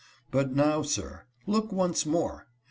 But now, sir, look once more!